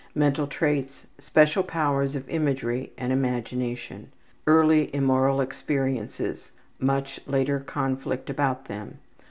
Mental traits: special powers of imagery Case 9. and imagination. Girl, age 14 years. Early immoral experiences: much later conflict about them.